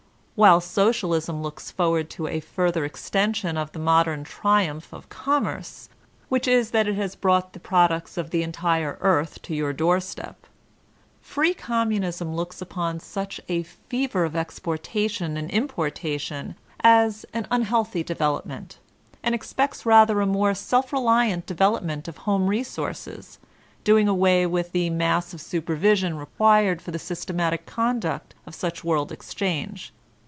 While Socialism looks forward to a further extension of the modem triumph of Conunerce — ^which is that it has brought the products of the entire earth to your door*step— free Communism looks upon such a fever of exportation and importation as an unhealthy devefep ment, and expects rather a more self*reliant development of home resources, doing away with the mass of super* vision required for the systematic conduct of such world exchange.